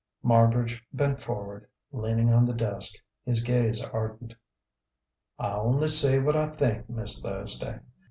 Marbridge bent forward, leaning on the desk, his gaze ardent. "I only say what I think, Miss Thursday.